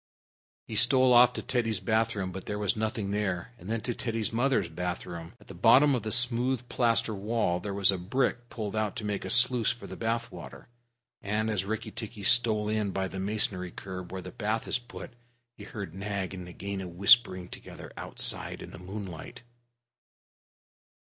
He stole off to Teddy's bath room, but there was nothing there, and then to Teddy's mother's bathroom. At the bottom of the smooth plaster wall there was a brick pulled out to make a sluice for the bath water, and as Rikki tikki stole in by the masonry curb where the bath is put, he heard Nag and Nagaina whispering together outside in the moonlight.